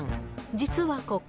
実はここ。